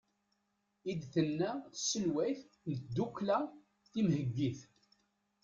i d-tenna tselwayt n tddukkla timheggit